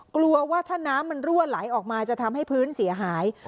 กลัวว่าถ้าน้ำมันรั่วไหลออกมาจะทำให้พื้นเสียหาย